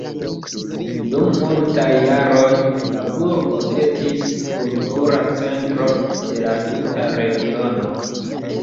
Dum multaj jaroj la burgo estis kultura centro de la tuta regiono.